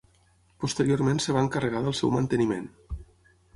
Posteriorment es va encarregar del seu manteniment.